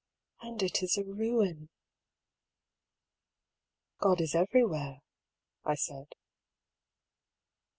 ^^ And it is a ruin !"" God is everywhere," I said.